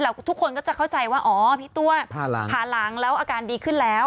แล้วทุกคนก็จะเข้าใจว่าอ๋อพี่ตัวผ่าหลังแล้วอาการดีขึ้นแล้ว